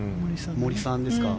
森さんですか。